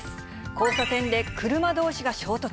交差点で車どうしが衝突。